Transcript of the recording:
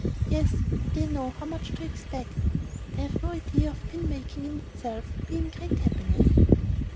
"Yes: but they know how much to expect. They have no idea of pin making in itself being great happiness."